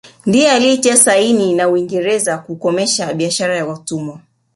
Ndiye alitiliana saini na Uingereza kukomesha biashara ya watumwa